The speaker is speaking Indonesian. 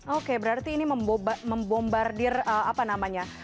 oke berarti ini membombardir apa namanya